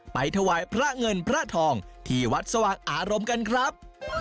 ถวายพระเงินพระทองที่วัดสว่างอารมณ์กันครับ